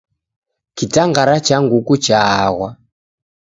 Kitang'ara cha nguku chaaghwa